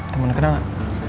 taman kenang gak